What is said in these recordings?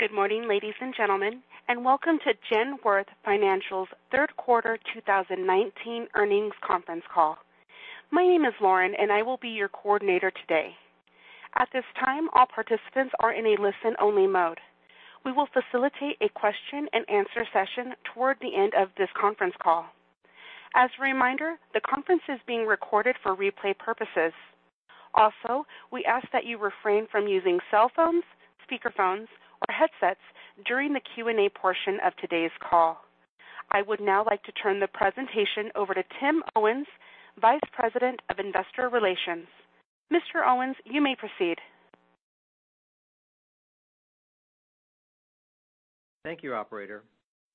Good morning, ladies and gentlemen, and welcome to Genworth Financial's third quarter 2019 earnings conference call. My name is Lauren, and I will be your coordinator today. At this time, all participants are in a listen-only mode. We will facilitate a question and answer session toward the end of this conference call. As a reminder, the conference is being recorded for replay purposes. We ask that you refrain from using cell phones, speakerphones, or headsets during the Q&A portion of today's call. I would now like to turn the presentation over to Tim Owens, Vice President of Investor Relations. Mr. Owens, you may proceed. Thank you, operator.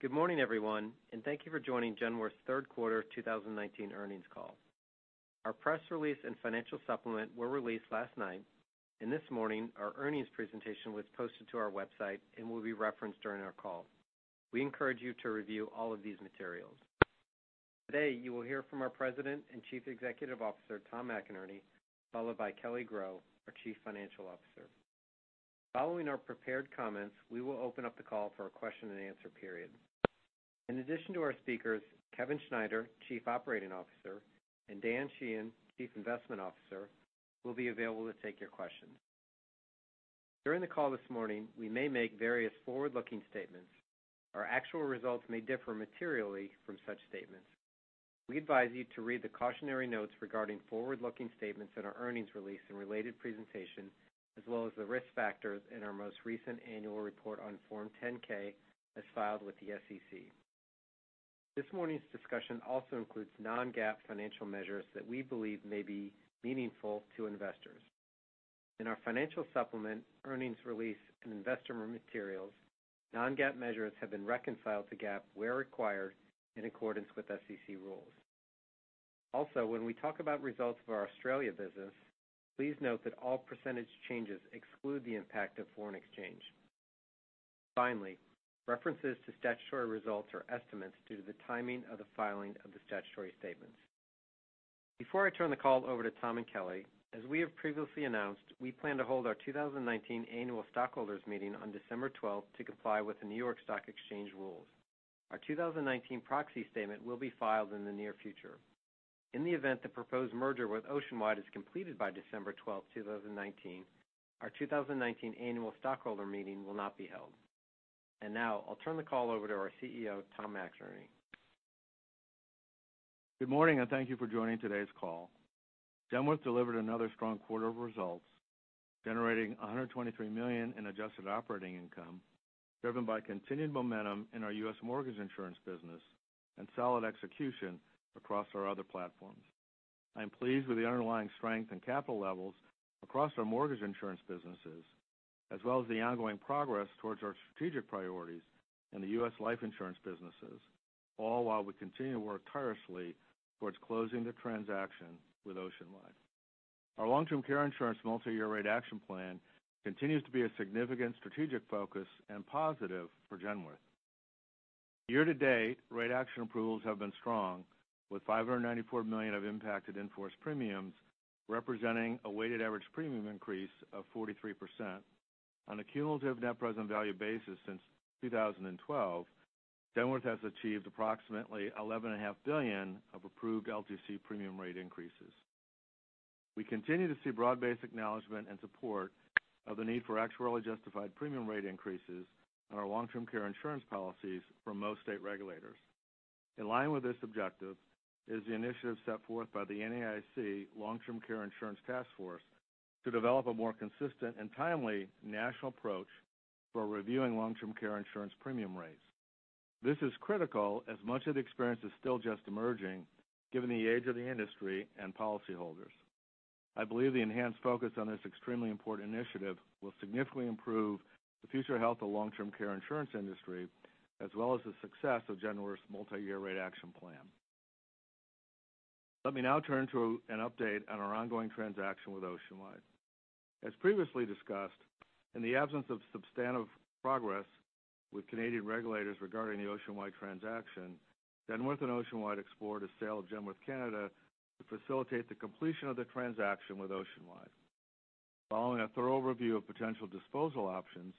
Good morning, everyone, and thank you for joining Genworth's third quarter 2019 earnings call. Our press release and financial supplement were released last night, and this morning our earnings presentation was posted to our website and will be referenced during our call. We encourage you to review all of these materials. Today, you will hear from our President and Chief Executive Officer, Tom McInerney, followed by Kelly Groh, our Chief Financial Officer. Following our prepared comments, we will open up the call for a question and answer period. In addition to our speakers, Kevin Schneider, Chief Operating Officer, and Dan Sheehan, Chief Investment Officer, will be available to take your questions. During the call this morning, we may make various forward-looking statements. Our actual results may differ materially from such statements. We advise you to read the cautionary notes regarding forward-looking statements in our earnings release and related presentation, as well as the risk factors in our most recent annual report on Form 10-K as filed with the SEC. This morning's discussion also includes non-GAAP financial measures that we believe may be meaningful to investors. In our financial supplement, earnings release, and investor materials, non-GAAP measures have been reconciled to GAAP where required in accordance with SEC rules. Also, when we talk about results of our Australia business, please note that all percentage changes exclude the impact of foreign exchange. Finally, references to statutory results are estimates due to the timing of the filing of the statutory statements. Before I turn the call over to Tom and Kelly, as we have previously announced, we plan to hold our 2019 annual stockholders meeting on December 12th to comply with the New York Stock Exchange rules. Our 2019 proxy statement will be filed in the near future. In the event the proposed merger with Oceanwide is completed by December 12th, 2019, our 2019 annual stockholder meeting will not be held. Now I'll turn the call over to our CEO, Tom McInerney. Good morning, and thank you for joining today's call. Genworth delivered another strong quarter of results, generating $123 million in adjusted operating income, driven by continued momentum in our U.S. mortgage insurance business and solid execution across our other platforms. I am pleased with the underlying strength in capital levels across our mortgage insurance businesses, as well as the ongoing progress towards our strategic priorities in the U.S. life insurance businesses, all while we continue to work tirelessly towards closing the transaction with Oceanwide. Our long-term care insurance multi-year rate action plan continues to be a significant strategic focus and positive for Genworth. Year to date, rate action approvals have been strong, with $594 million of impacted in-force premiums, representing a weighted average premium increase of 43%. On a cumulative net present value basis since 2012, Genworth has achieved approximately $11.5 billion of approved LTC premium rate increases. We continue to see broad-based acknowledgment and support of the need for actuarially justified premium rate increases on our long-term care insurance policies from most state regulators. In line with this objective is the initiative set forth by the NAIC Long-Term Care Insurance Task Force to develop a more consistent and timely national approach for reviewing long-term care insurance premium rates. This is critical as much of the experience is still just emerging given the age of the industry and policyholders. I believe the enhanced focus on this extremely important initiative will significantly improve the future health of long-term care insurance industry, as well as the success of Genworth's multi-year rate action plan. Let me now turn to an update on our ongoing transaction with Oceanwide. As previously discussed, in the absence of substantive progress with Canadian regulators regarding the Oceanwide transaction, Genworth and Oceanwide explored a sale of Genworth Canada to facilitate the completion of the transaction with Oceanwide. Following a thorough review of potential disposal options,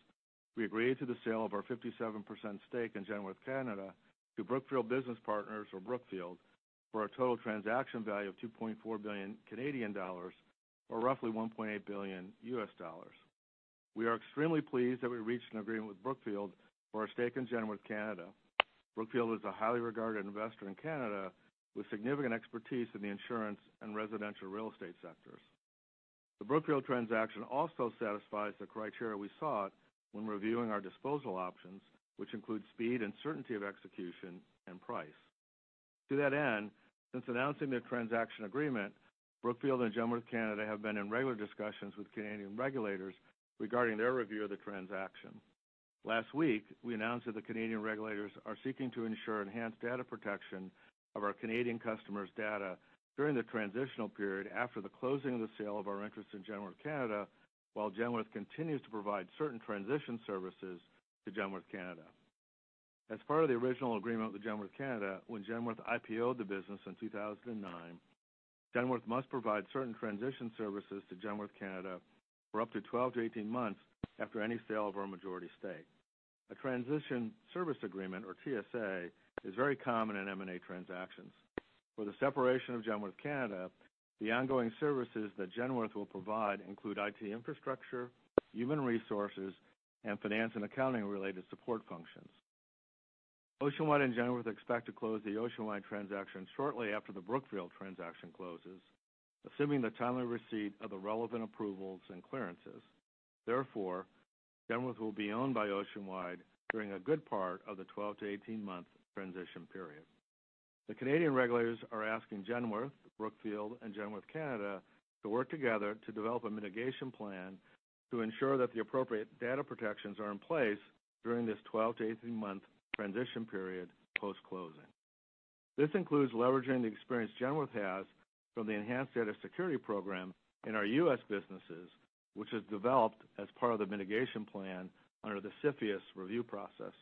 we agreed to the sale of our 57% stake in Genworth Canada to Brookfield Business Partners or Brookfield for a total transaction value of 2.4 billion Canadian dollars, or roughly $1.8 billion. We are extremely pleased that we reached an agreement with Brookfield for our stake in Genworth Canada. Brookfield is a highly regarded investor in Canada with significant expertise in the insurance and residential real estate sectors. The Brookfield transaction also satisfies the criteria we sought when reviewing our disposal options, which include speed and certainty of execution and price. To that end, since announcing the transaction agreement, Brookfield and Genworth Canada have been in regular discussions with Canadian regulators regarding their review of the transaction. Last week, we announced that the Canadian regulators are seeking to ensure enhanced data protection of our Canadian customers' data during the transitional period after the closing of the sale of our interest in Genworth Canada while Genworth continues to provide certain transition services to Genworth Canada. As per the original agreement with Genworth Canada, when Genworth IPO'd the business in 2009, Genworth must provide certain transition services to Genworth Canada for up to 12 to 18 months after any sale of our majority stake. A transition service agreement, or TSA, is very common in M&A transactions. For the separation of Genworth Canada, the ongoing services that Genworth will provide include IT infrastructure, human resources, and finance and accounting related support functions. Oceanwide and Genworth expect to close the Oceanwide transaction shortly after the Brookfield transaction closes, assuming the timely receipt of the relevant approvals and clearances. Therefore, Genworth will be owned by Oceanwide during a good part of the 12 to 18-month transition period. The Canadian regulators are asking Genworth, Brookfield, and Genworth Canada to work together to develop a mitigation plan to ensure that the appropriate data protections are in place during this 12 to 18-month transition period post-closing. This includes leveraging the experience Genworth has from the enhanced data security program in our U.S. businesses, which was developed as part of the mitigation plan under the CFIUS review process.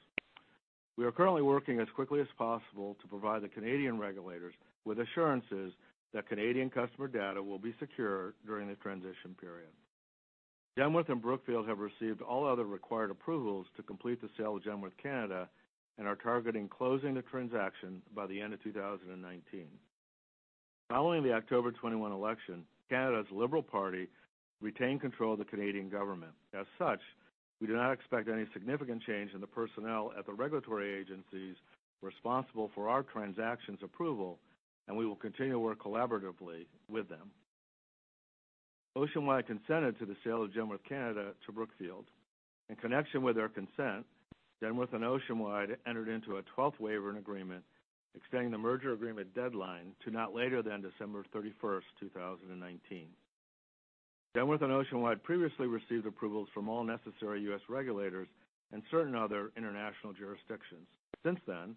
We are currently working as quickly as possible to provide the Canadian regulators with assurances that Canadian customer data will be secure during the transition period. Genworth and Brookfield have received all other required approvals to complete the sale of Genworth Canada and are targeting closing the transaction by the end of 2019. Following the October 21 election, Canada's Liberal Party retained control of the Canadian government. We do not expect any significant change in the personnel at the regulatory agencies responsible for our transaction's approval, and we will continue to work collaboratively with them. Oceanwide consented to the sale of Genworth Canada to Brookfield. In connection with their consent, Genworth and Oceanwide entered into a 12th waiver and agreement extending the merger agreement deadline to not later than December 31st, 2019. Genworth and Oceanwide previously received approvals from all necessary U.S. regulators and certain other international jurisdictions. Since then,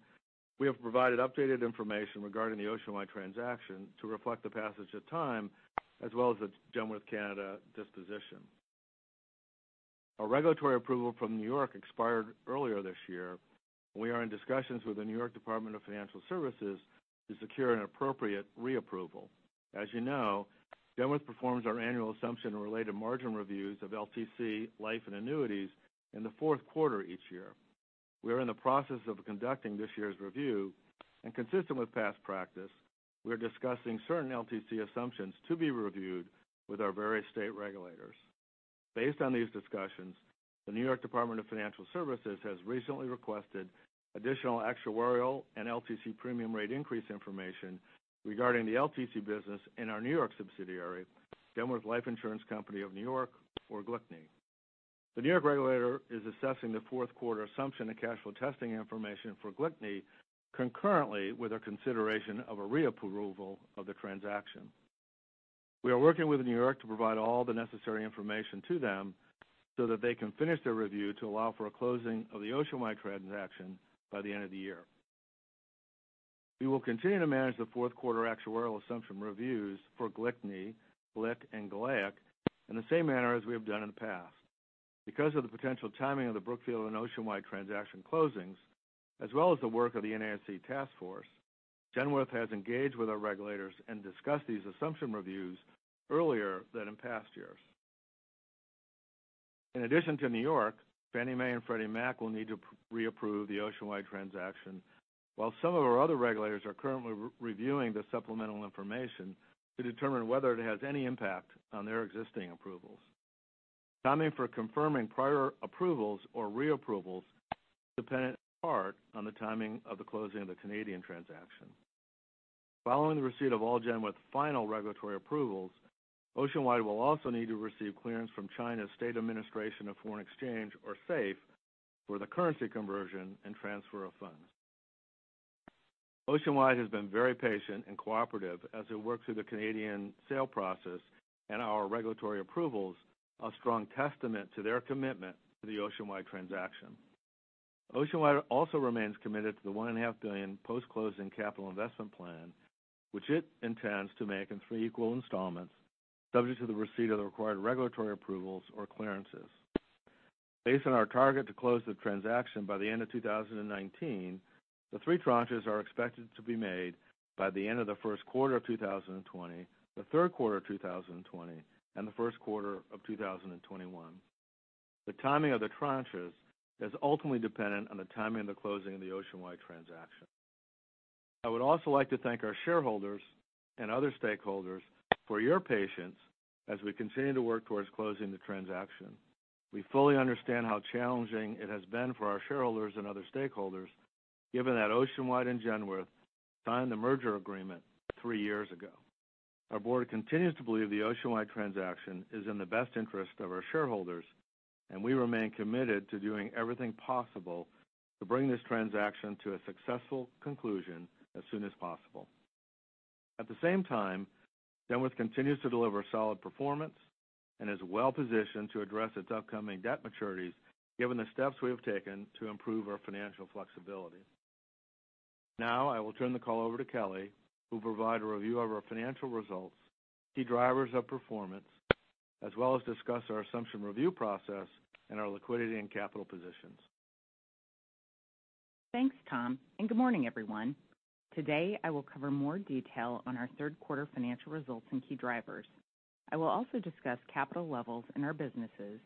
we have provided updated information regarding the Oceanwide transaction to reflect the passage of time as well as the Genworth Canada disposition. Our regulatory approval from New York expired earlier this year. We are in discussions with the New York State Department of Financial Services to secure an appropriate reapproval. As you know, Genworth performs our annual assumption and related margin reviews of LTC, life, and annuities in the fourth quarter each year. We are in the process of conducting this year's review, and consistent with past practice, we are discussing certain LTC assumptions to be reviewed with our various state regulators. Based on these discussions, the New York State Department of Financial Services has recently requested additional actuarial and LTC premium rate increase information regarding the LTC business in our New York subsidiary, Genworth Life Insurance Company of New York, or GLICNY. The New York regulator is assessing the fourth quarter assumption and cash flow testing information for GLICNY concurrently with our consideration of a reapproval of the transaction. We are working with New York to provide all the necessary information to them so that they can finish their review to allow for a closing of the Oceanwide transaction by the end of the year. We will continue to manage the fourth quarter actuarial assumption reviews for GLICNY, GLIC, and GLAC in the same manner as we have done in the past. Because of the potential timing of the Brookfield and Oceanwide transaction closings, as well as the work of the NAIC task force, Genworth has engaged with our regulators and discussed these assumption reviews earlier than in past years. In addition to New York, Fannie Mae and Freddie Mac will need to reapprove the Oceanwide transaction while some of our other regulators are currently reviewing the supplemental information to determine whether it has any impact on their existing approvals. Timing for confirming prior approvals or reapprovals dependent in part on the timing of the closing of the Canadian transaction. Following the receipt of all Genworth final regulatory approvals, Oceanwide will also need to receive clearance from China's State Administration of Foreign Exchange, or SAFE, for the currency conversion and transfer of funds. Oceanwide has been very patient and cooperative as it works through the Canadian sale process, and our regulatory approvals a strong testament to their commitment to the Oceanwide transaction. Oceanwide also remains committed to the $1.5 billion post-closing capital investment plan, which it intends to make in three equal installments, subject to the receipt of the required regulatory approvals or clearances. Based on our target to close the transaction by the end of 2019, the three tranches are expected to be made by the end of the first quarter of 2020, the third quarter of 2020, and the first quarter of 2021. The timing of the tranches is ultimately dependent on the timing of the closing of the Oceanwide transaction. I would also like to thank our shareholders and other stakeholders for your patience as we continue to work towards closing the transaction. We fully understand how challenging it has been for our shareholders and other stakeholders, given that Oceanwide and Genworth signed the merger agreement three years ago. Our board continues to believe the Oceanwide transaction is in the best interest of our shareholders, and we remain committed to doing everything possible to bring this transaction to a successful conclusion as soon as possible. At the same time, Genworth continues to deliver solid performance and is well-positioned to address its upcoming debt maturities given the steps we have taken to improve our financial flexibility. Now I will turn the call over to Kelly, who will provide a review of our financial results, key drivers of performance, as well as discuss our assumption review process and our liquidity and capital positions. Thanks, Tom. Good morning, everyone. Today, I will cover more detail on our third quarter financial results and key drivers. I will also discuss capital levels in our businesses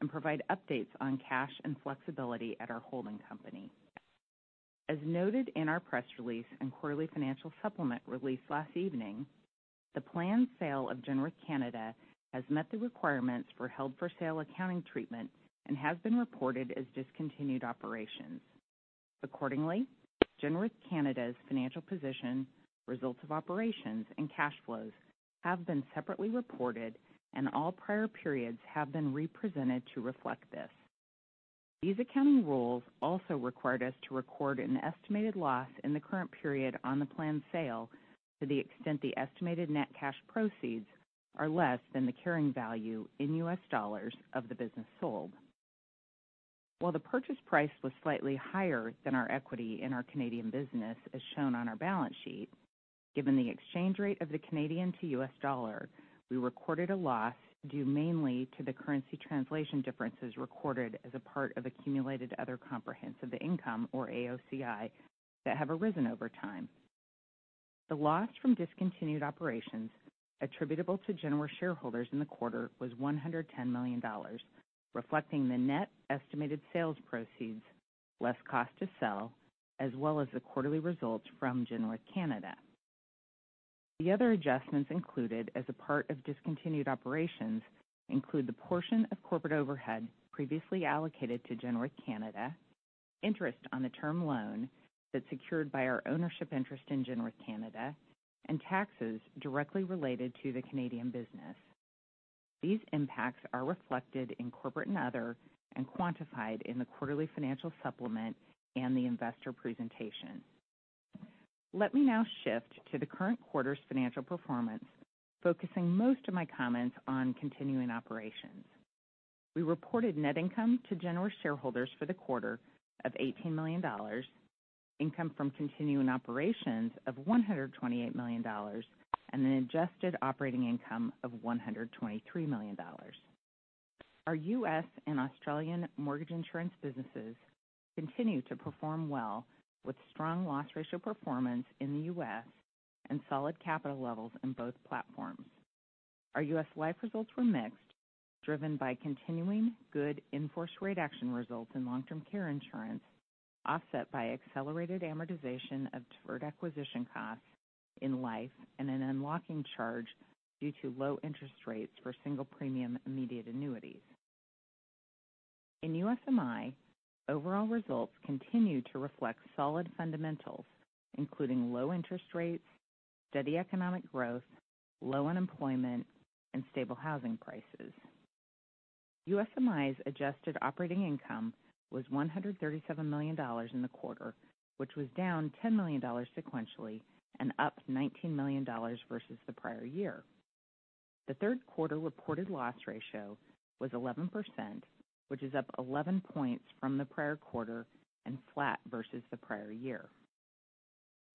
and provide updates on cash and flexibility at our holding company. As noted in our press release and quarterly financial supplement released last evening, the planned sale of Genworth Canada has met the requirements for held-for-sale accounting treatment and has been reported as discontinued operations. Accordingly, Genworth Canada's financial position, results of operations, and cash flows have been separately reported, and all prior periods have been represented to reflect this. These accounting rules also required us to record an estimated loss in the current period on the planned sale to the extent the estimated net cash proceeds are less than the carrying value in U.S. dollars of the business sold. While the purchase price was slightly higher than our equity in our Canadian business as shown on our balance sheet, given the exchange rate of the Canadian to U.S. dollar, we recorded a loss due mainly to the currency translation differences recorded as a part of accumulated other comprehensive income, or AOCI, that have arisen over time. The loss from discontinued operations attributable to Genworth shareholders in the quarter was $110 million, reflecting the net estimated sales proceeds less cost to sell, as well as the quarterly results from Genworth Canada. The other adjustments included as a part of discontinued operations include the portion of corporate overhead previously allocated to Genworth Canada, interest on the term loan that's secured by our ownership interest in Genworth Canada, and taxes directly related to the Canadian business. These impacts are reflected in corporate and other and quantified in the quarterly financial supplement and the investor presentation. Let me now shift to the current quarter's financial performance, focusing most of my comments on continuing operations. We reported net income to Genworth shareholders for the quarter of $18 million, income from continuing operations of $128 million, and an adjusted operating income of $123 million. Our U.S. and Australian mortgage insurance businesses continue to perform well with strong loss ratio performance in the U.S. and solid capital levels in both platforms. Our U.S. life results were mixed, driven by continuing good in-force rate action results in long-term care insurance, offset by accelerated amortization of deferred acquisition costs in life and an unlocking charge due to low interest rates for single-premium immediate annuities. In USMI, overall results continue to reflect solid fundamentals, including low interest rates, steady economic growth, low unemployment, and stable housing prices. USMI's adjusted operating income was $137 million in the quarter, which was down $10 million sequentially and up $19 million versus the prior year. The third quarter reported loss ratio was 11%, which is up 11 points from the prior quarter and flat versus the prior year.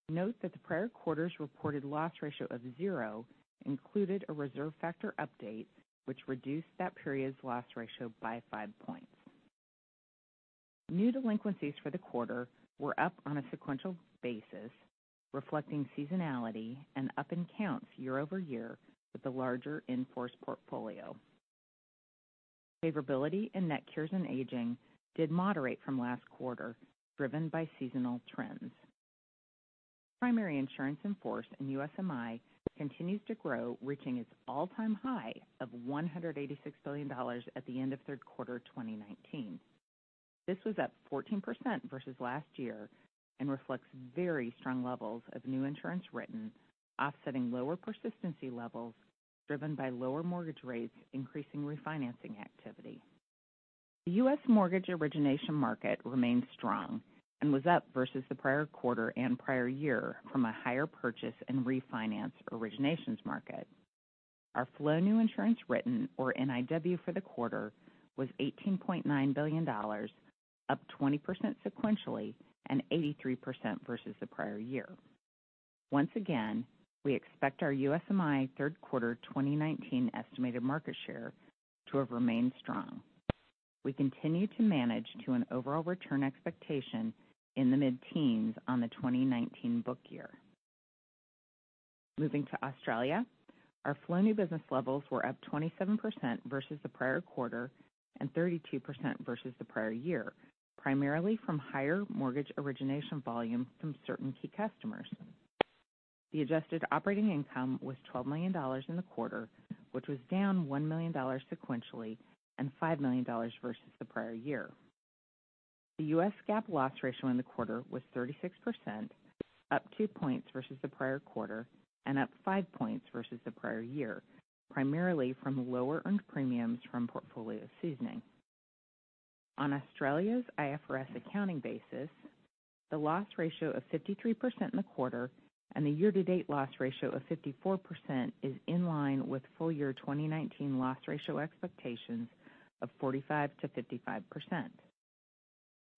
Note that the prior quarter's reported loss ratio of zero included a reserve factor update, which reduced that period's loss ratio by five points. New delinquencies for the quarter were up on a sequential basis, reflecting seasonality and up in counts year-over-year with the larger in-force portfolio. Favorability in net cures and aging did moderate from last quarter, driven by seasonal trends. Primary insurance in force in USMI continues to grow, reaching its all-time high of $186 billion at the end of third quarter 2019. This was up 14% versus last year and reflects very strong levels of new insurance written, offsetting lower persistency levels driven by lower mortgage rates increasing refinancing activity. The U.S. mortgage origination market remains strong and was up versus the prior quarter and prior year from a higher purchase and refinance originations market. Our flow new insurance written, or NIW, for the quarter was $18.9 billion, up 20% sequentially and 83% versus the prior year. Once again, we expect our USMI third quarter 2019 estimated market share to have remained strong. We continue to manage to an overall return expectation in the mid-teens on the 2019 book year. Moving to Australia, our flow new business levels were up 27% versus the prior quarter and 32% versus the prior year, primarily from higher mortgage origination volumes from certain key customers. The adjusted operating income was $12 million in the quarter, which was down $1 million sequentially and $5 million versus the prior year. The U.S. GAAP loss ratio in the quarter was 36%, up two points versus the prior quarter and up five points versus the prior year, primarily from lower earned premiums from portfolio seasoning. On Australia's IFRS accounting basis, the loss ratio of 53% in the quarter and the year-to-date loss ratio of 54% is in line with full year 2019 loss ratio expectations of 45%-55%.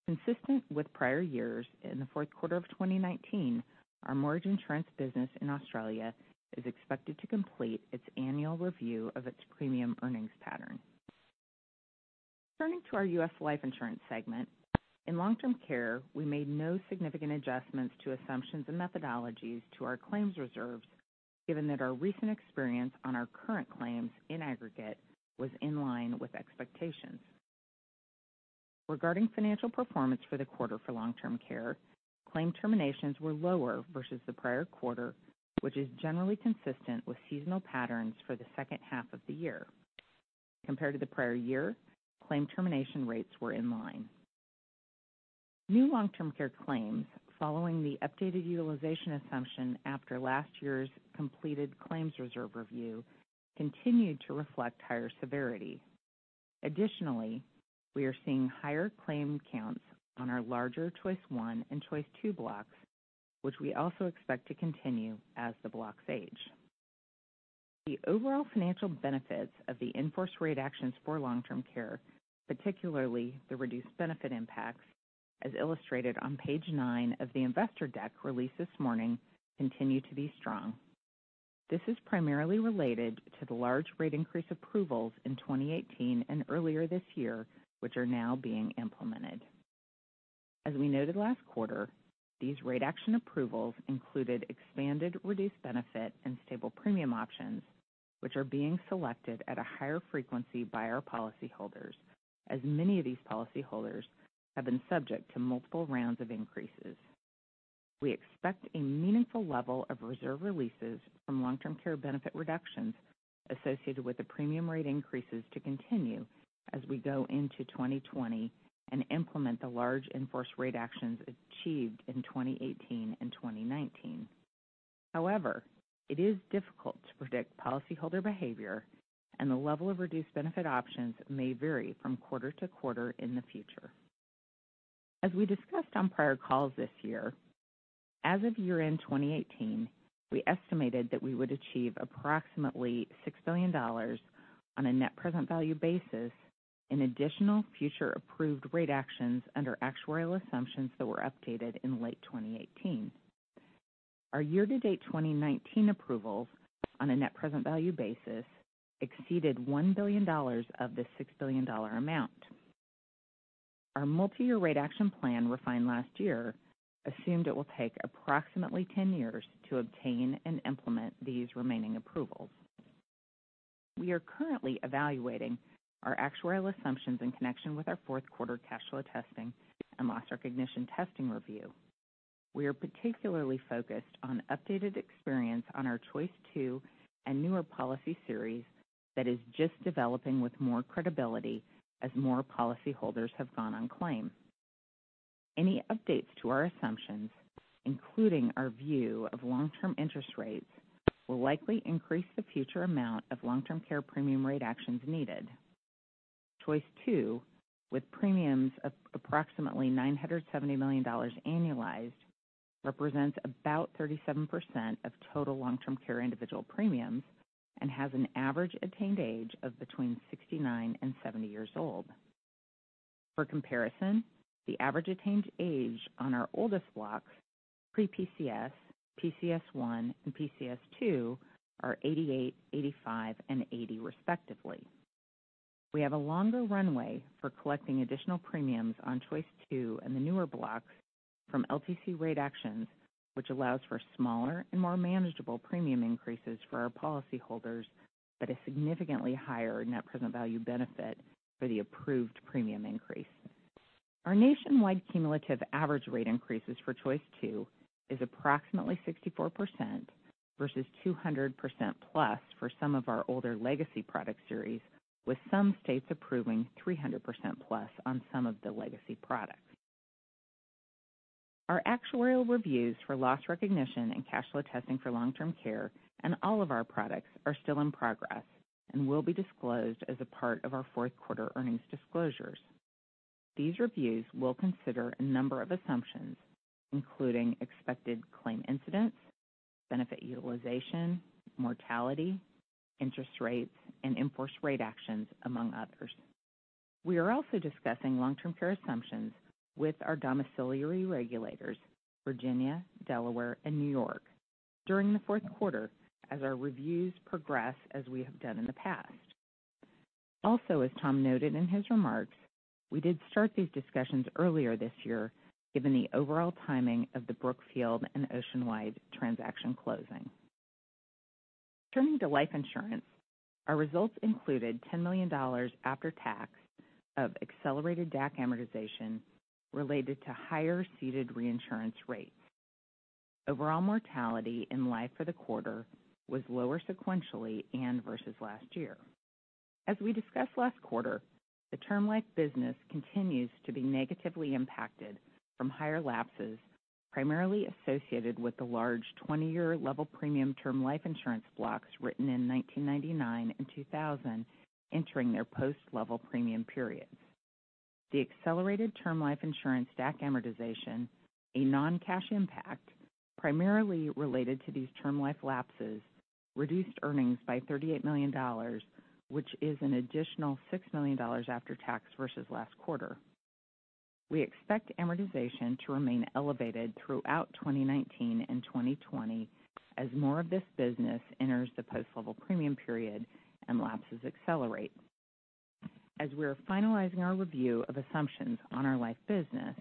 Consistent with prior years in the fourth quarter of 2019, our mortgage insurance business in Australia is expected to complete its annual review of its premium earnings pattern. Turning to our U.S. life insurance segment. In long-term care, we made no significant adjustments to assumptions and methodologies to our claims reserves, given that our recent experience on our current claims in aggregate was in line with expectations. Regarding financial performance for the quarter for long-term care, claim terminations were lower versus the prior quarter, which is generally consistent with seasonal patterns for the second half of the year. Compared to the prior year, claim termination rates were in line. New long-term care claims, following the updated utilization assumption after last year's completed claims reserve review, continued to reflect higher severity. Additionally, we are seeing higher claim counts on our larger Choice 1 and Choice 2 blocks, which we also expect to continue as the blocks age. The overall financial benefits of the in-force rate actions for long-term care, particularly the reduced benefit impacts, as illustrated on page nine of the investor deck released this morning, continue to be strong. This is primarily related to the large rate increase approvals in 2018 and earlier this year, which are now being implemented. As we noted last quarter, these rate action approvals included expanded reduced benefit and stable premium options, which are being selected at a higher frequency by our policyholders, as many of these policyholders have been subject to multiple rounds of increases. We expect a meaningful level of reserve releases from long-term care benefit reductions associated with the premium rate increases to continue as we go into 2020 and implement the large in-force rate actions achieved in 2018 and 2019. It is difficult to predict policyholder behavior, and the level of reduced benefit options may vary from quarter to quarter in the future. As we discussed on prior calls this year, as of year-end 2018, we estimated that we would achieve approximately $6 billion on a net present value basis in additional future approved rate actions under actuarial assumptions that were updated in late 2018. Our year-to-date 2019 approvals on a net present value basis exceeded $1 billion of this $6 billion amount. Our multi-year rate action plan refined last year assumed it will take approximately 10 years to obtain and implement these remaining approvals. We are currently evaluating our actuarial assumptions in connection with our fourth quarter cash flow testing and loss recognition testing review. We are particularly focused on updated experience on our Choice 2 and newer policy series that is just developing with more credibility as more policyholders have gone on claim. Any updates to our assumptions, including our view of long-term interest rates, will likely increase the future amount of long-term care premium rate actions needed. Choice 2, with premiums of approximately $970 million annualized, represents about 37% of total long-term care individual premiums and has an average attained age of between 69 and 70 years old. For comparison, the average attained age on our oldest blocks, pre-PCS, PCS I, and PCS II are 88, 85, and 80 respectively. We have a longer runway for collecting additional premiums on Choice 2 and the newer blocks from LTC rate actions, which allows for smaller and more manageable premium increases for our policyholders at a significantly higher net present value benefit for the approved premium increase. Our nationwide cumulative average rate increases for Choice 2 is approximately 64%, versus 200%+ for some of our older legacy product series, with some states approving 300%+ on some of the legacy products. Our actuarial reviews for loss recognition and cash flow testing for long-term care on all of our products are still in progress and will be disclosed as a part of our fourth quarter earnings disclosures. These reviews will consider a number of assumptions, including expected claim incidents, benefit utilization, mortality, interest rates, and in-force rate actions, among others. We are also discussing long-term care assumptions with our domiciliary regulators, Virginia, Delaware, and New York during the fourth quarter as our reviews progress, as we have done in the past. As Tom noted in his remarks, we did start these discussions earlier this year, given the overall timing of the Brookfield and Oceanwide transaction closing. Turning to life insurance, our results included $10 million after tax of accelerated DAC amortization related to higher ceded reinsurance rates. Overall mortality in life for the quarter was lower sequentially and versus last year. As we discussed last quarter, the term life business continues to be negatively impacted from higher lapses, primarily associated with the large 20-year level premium term life insurance blocks written in 1999 and 2000 entering their post level premium periods. The accelerated term life insurance DAC amortization, a non-cash impact primarily related to these term life lapses reduced earnings by $38 million, which is an additional $6 million after tax versus last quarter. We expect amortization to remain elevated throughout 2019 and 2020 as more of this business enters the post-level premium period and lapses accelerate. As we are finalizing our review of assumptions on our life business,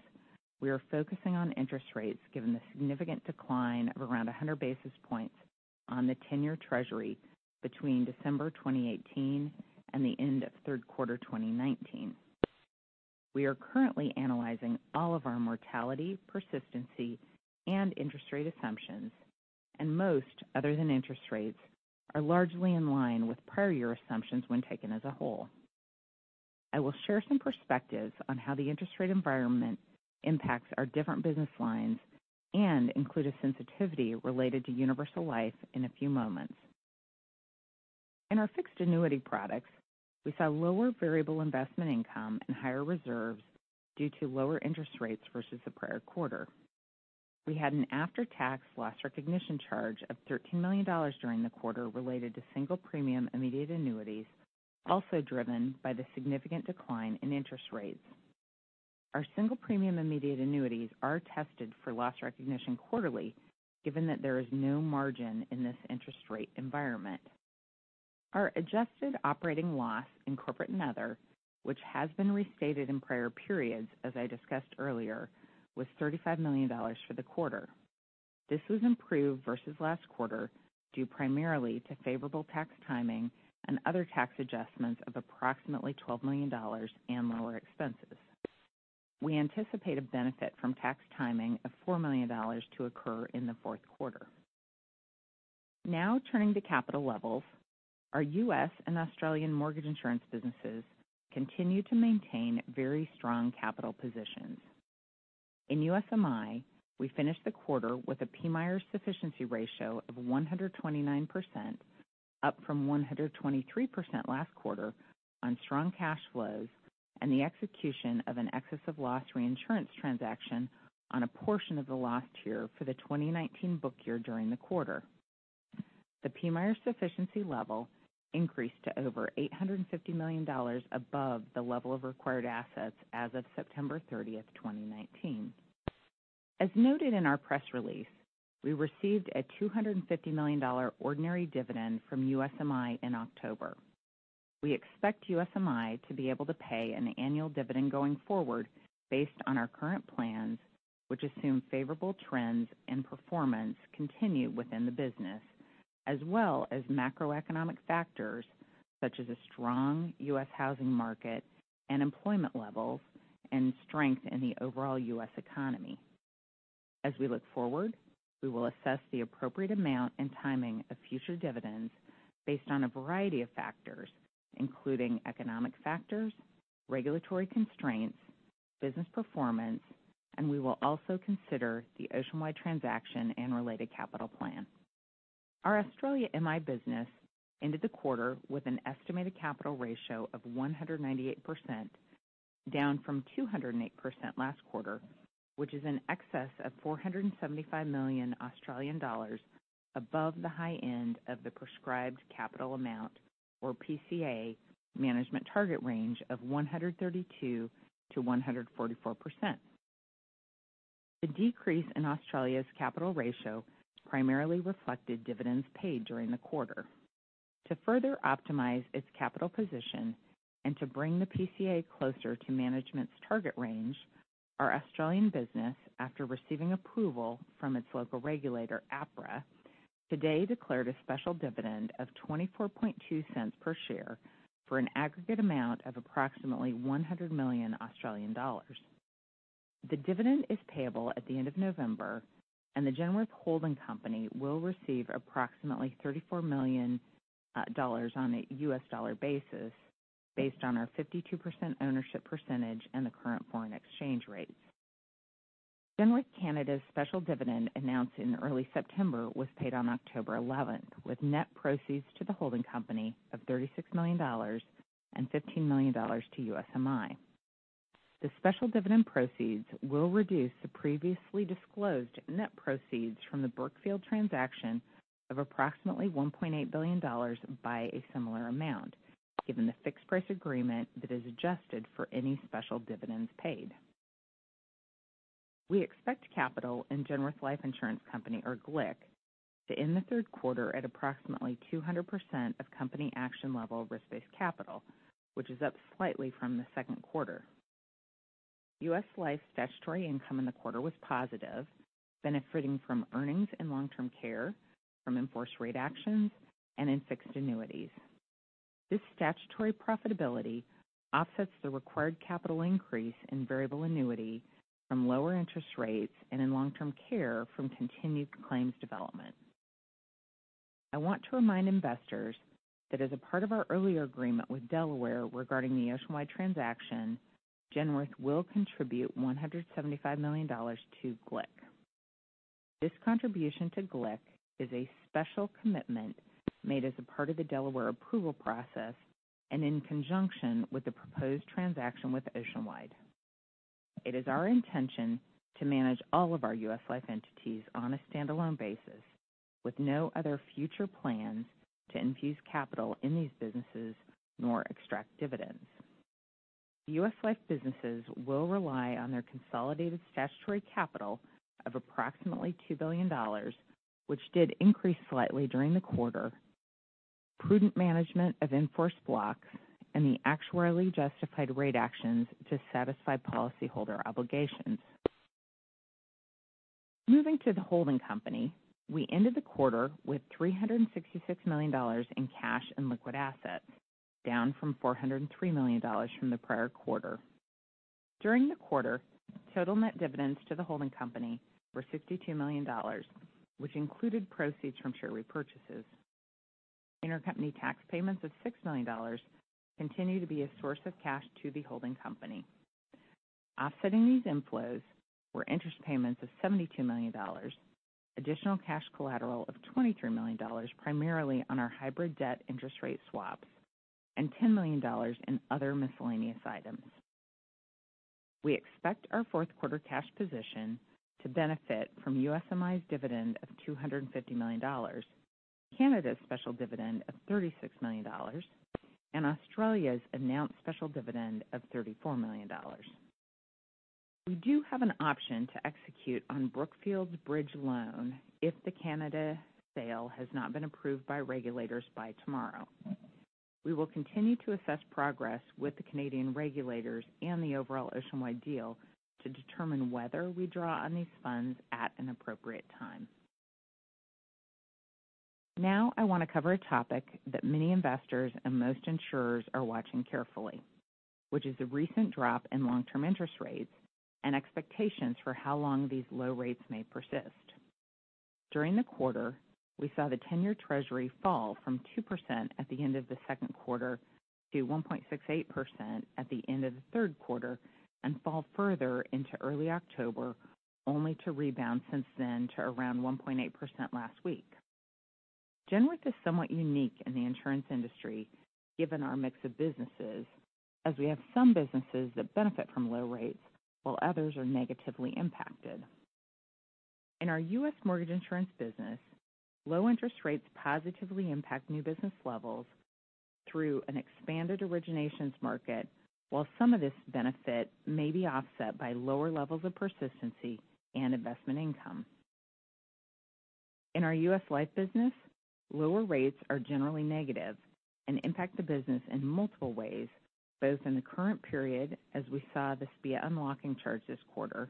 we are focusing on interest rates given the significant decline of around 100 basis points on the 10-year Treasury between December 2018 and the end of third quarter 2019. We are currently analyzing all of our mortality, persistency, and interest rate assumptions, and most, other than interest rates, are largely in line with prior year assumptions when taken as a whole. I will share some perspectives on how the interest rate environment impacts our different business lines and include a sensitivity related to universal life in a few moments. In our fixed annuity products, we saw lower variable investment income and higher reserves due to lower interest rates versus the prior quarter. We had an after-tax loss recognition charge of $13 million during the quarter related to single-premium immediate annuities, also driven by the significant decline in interest rates. Our single-premium immediate annuities are tested for loss recognition quarterly, given that there is no margin in this interest rate environment. Our adjusted operating loss in Corporate and Other, which has been restated in prior periods as I discussed earlier, was $35 million for the quarter. This was improved versus last quarter due primarily to favorable tax timing and other tax adjustments of approximately $12 million and lower expenses. We anticipate a benefit from tax timing of $4 million to occur in the fourth quarter. Turning to capital levels, our U.S. and Australian mortgage insurance businesses continue to maintain very strong capital positions. In USMI, we finished the quarter with a PMIER sufficiency ratio of 129%, up from 123% last quarter on strong cash flows and the execution of an excess of loss reinsurance transaction on a portion of the loss tier for the 2019 book year during the quarter. The PMIER sufficiency level increased to over $850 million above the level of required assets as of September 30, 2019. As noted in our press release, we received a $250 million ordinary dividend from USMI in October. We expect USMI to be able to pay an annual dividend going forward based on our current plans, which assume favorable trends and performance continue within the business, as well as macroeconomic factors such as a strong U.S. housing market and employment levels and strength in the overall U.S. economy. As we look forward, we will assess the appropriate amount and timing of future dividends based on a variety of factors, including economic factors, regulatory constraints, business performance, and we will also consider the Oceanwide transaction and related capital plan. Our Australia MI business ended the quarter with an estimated capital ratio of 198%, down from 208% last quarter, which is in excess of 475 million Australian dollars above the high end of the prescribed capital amount or PCA management target range of 132%-144%. The decrease in Australia's capital ratio primarily reflected dividends paid during the quarter. To further optimize its capital position and to bring the PCA closer to management's target range, our Australian business, after receiving approval from its local regulator, APRA, today declared a special dividend of 0.242 per share for an aggregate amount of approximately 100 million Australian dollars. The dividend is payable at the end of November, and the Genworth Holding Company will receive approximately $34 million on a U.S. dollar basis based on our 52% ownership percentage and the current foreign exchange rates. Genworth MI Canada's special dividend announced in early September was paid on October 11th, with net proceeds to the holding company of $36 million and $15 million to USMI. The special dividend proceeds will reduce the previously disclosed net proceeds from the Brookfield transaction of approximately $1.8 billion by a similar amount, given the fixed price agreement that is adjusted for any special dividends paid. We expect capital in Genworth Life Insurance Company, or GLIC, to end the third quarter at approximately 200% of company action level risk-based capital, which is up slightly from the second quarter. U.S. Life statutory income in the quarter was positive, benefiting from earnings in long-term care, from enforced rate actions, and in fixed annuities. This statutory profitability offsets the required capital increase in variable annuity from lower interest rates and in long-term care from continued claims development. I want to remind investors that as a part of our earlier agreement with Delaware regarding the Oceanwide transaction, Genworth will contribute $175 million to GLIC. This contribution to GLIC is a special commitment made as a part of the Delaware approval process and in conjunction with the proposed transaction with Oceanwide. It is our intention to manage all of our U.S. Life entities on a standalone basis with no other future plans to infuse capital in these businesses nor extract dividends. U.S. Life businesses will rely on their consolidated statutory capital of approximately $2 billion, which did increase slightly during the quarter, prudent management of in-force blocks, and the actuarially justified rate actions to satisfy policyholder obligations. Moving to the holding company, we ended the quarter with $366 million in cash and liquid assets, down from $403 million from the prior quarter. During the quarter, total net dividends to the holding company were $62 million, which included proceeds from share repurchases. Intercompany tax payments of $6 million continue to be a source of cash to the holding company. Offsetting these inflows were interest payments of $72 million, additional cash collateral of $23 million, primarily on our hybrid debt interest rate swaps, and $10 million in other miscellaneous items. We expect our fourth quarter cash position to benefit from USMI's dividend of $250 million, Canada's special dividend of 36 million dollars, and Australia's announced special dividend of 34 million dollars. We do have an option to execute on Brookfield's bridge loan if the Canada sale has not been approved by regulators by tomorrow. We will continue to assess progress with the Canadian regulators and the overall Oceanwide deal to determine whether we draw on these funds at an appropriate time. Now, I want to cover a topic that many investors and most insurers are watching carefully, which is the recent drop in long-term interest rates and expectations for how long these low rates may persist. During the quarter, we saw the 10-year Treasury fall from 2% at the end of the second quarter to 1.68% at the end of the third quarter and fall further into early October, only to rebound since then to around 1.8% last week. Genworth is somewhat unique in the insurance industry given our mix of businesses, as we have some businesses that benefit from low rates while others are negatively impacted. In our US mortgage insurance business, low interest rates positively impact new business levels through an expanded originations market, while some of this benefit may be offset by lower levels of persistency and investment income. In our U.S. Life business, lower rates are generally negative and impact the business in multiple ways, both in the current period as we saw the SPIA unlocking charge this quarter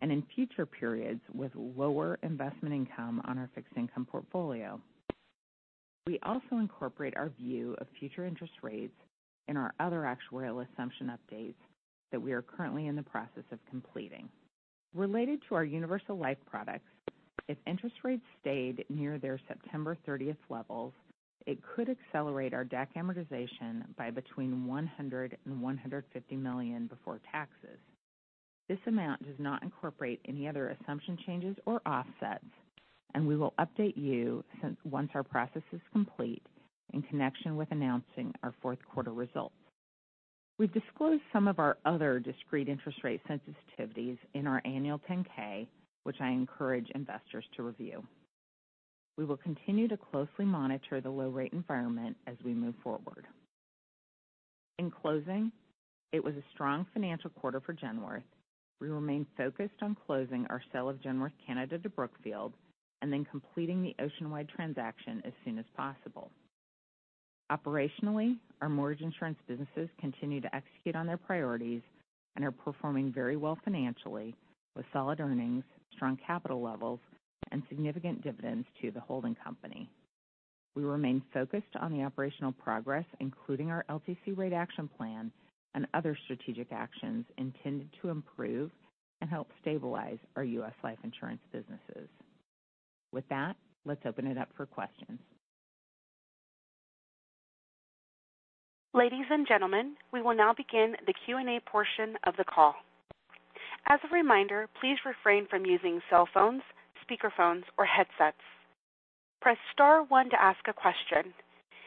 and in future periods with lower investment income on our fixed income portfolio. We also incorporate our view of future interest rates in our other actuarial assumption updates that we are currently in the process of completing. Related to our universal life products, if interest rates stayed near their September 30th levels, it could accelerate our DAC amortization by between $100 million and $150 million before taxes. This amount does not incorporate any other assumption changes or offsets, and we will update you once our process is complete in connection with announcing our fourth quarter results. We've disclosed some of our other discrete interest rate sensitivities in our Annual 10-K, which I encourage investors to review. We will continue to closely monitor the low rate environment as we move forward. In closing, it was a strong financial quarter for Genworth. We remain focused on closing our sale of Genworth Canada to Brookfield and then completing the Oceanwide transaction as soon as possible. Operationally, our mortgage insurance businesses continue to execute on their priorities and are performing very well financially with solid earnings, strong capital levels, and significant dividends to the holding company. We remain focused on the operational progress, including our LTC rate action plan and other strategic actions intended to improve and help stabilize our U.S. Life insurance businesses. With that, let's open it up for questions. Ladies and gentlemen, we will now begin the Q&A portion of the call. As a reminder, please refrain from using cell phones, speaker phones, or headsets. Press star one to ask a question.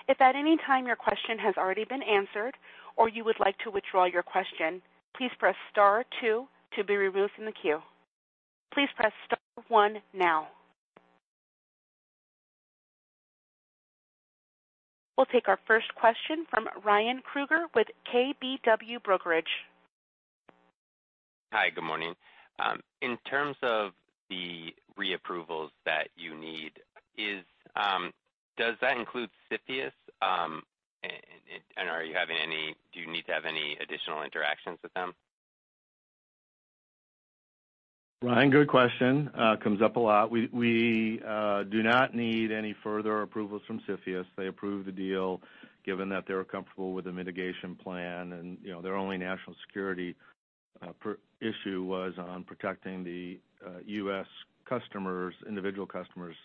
If at any time your question has already been answered or you would like to withdraw your question, please press star two to be removed from the queue. Please press star one now. We'll take our first question from Ryan Krueger with KBW. Hi. Good morning. In terms of the reapprovals that you need, does that include CFIUS? Do you need to have any additional interactions with them? Ryan, good question. Comes up a lot. We do not need any further approvals from CFIUS. They approved the deal given that they were comfortable with the mitigation plan, and their only national security issue was on protecting the U.S. individual customers'